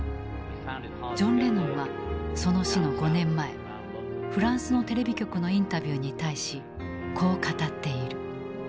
ジョン・レノンはその死の５年前フランスのテレビ局のインタビューに対しこう語っている。